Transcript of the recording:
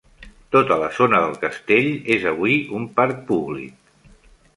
Tota la zona del castell és avui un parc públic.